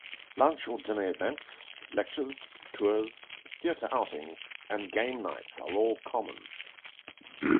Lunch or dinner events, lectures, tours, theatre outings, and games nights are all common.